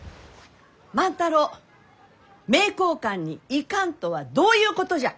万太郎名教館に行かんとはどういうことじゃ！？